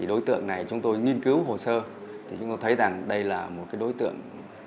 đối tượng này chúng tôi nghiên cứu hồ sơ chúng tôi thấy rằng đây là một đối tượng